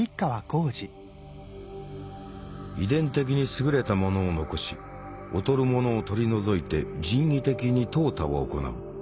遺伝的に優れた者を残し劣る者を取り除いて人為的に淘汰を行う。